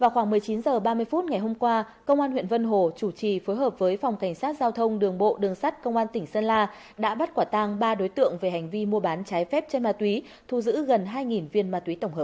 các bạn hãy đăng ký kênh để ủng hộ kênh của chúng mình nhé